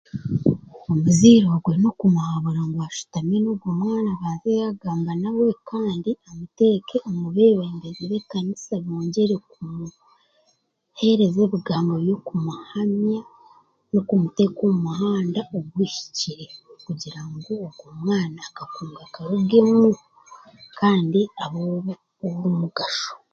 Omuzaire ogwe n'okumuhabura ngu ashutame n'ogw'omwana abanze yaagamba nawe kandi amuteeka omu beebembezi b'ekanisa bongyere kumuheereza ebigambo by'okumuhamya by'okumuteeka omu muhand oguhikire kugira ngo ogw'omwana akakungu akarugemu kandi abe abe owomugasho.